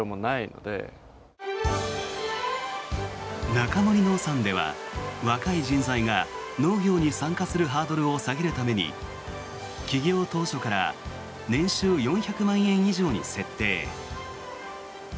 中森農産では、若い人材が農業に参加するハードルを下げるために起業当初から年収４００万円以上に設定。